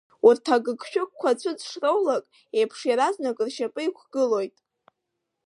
Урҭ агыгшәыгқәа ацәыӡ шроулак еиԥш иаразнак ршьапы иқәгылоит.